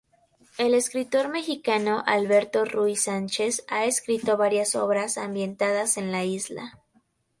El escritor mexicano Alberto Ruy Sánchez ha escrito varias obras ambientadas en la isla.